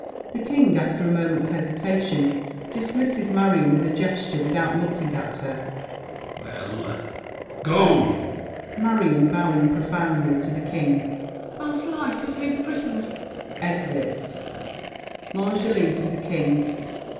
THE KING (after a moment's hesitation, dismisses Marion with a gesture without looking at her). Well, go! MARION (bowing profoundly to The King). I'll fly to save the prisoners! [Exits. L'ANGELY (to The King).